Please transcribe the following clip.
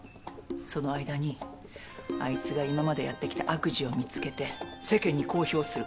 その間にあいつが今までやってきた悪事を見つけて世間に公表する。